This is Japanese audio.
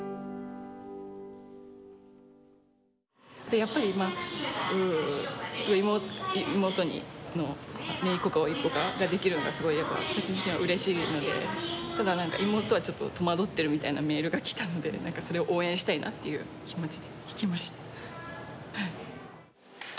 やっぱりうん妹にめいっ子かおいっ子かができるのはすごいやっぱ私自身はうれしいのでただ何か妹はちょっと戸惑ってるみたいなメールが来たので何かそれを応援したいなっていう気持ちで弾きました。